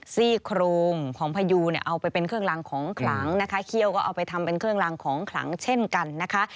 ซี่โครงของพยูเนี่ยเอาไปเป็นเครื่องลังของขลังนะคะ